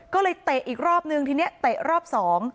ก็เลยเตะอีกรอบนึงทีเนี้ยเตะรอบสอง